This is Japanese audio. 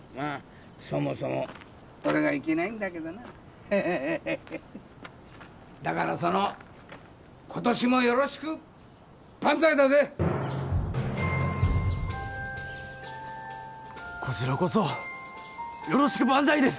そもそも俺がいけないんだけどなだからその今年もよろしくバンザイだぜこちらこそよろしくバンザイです！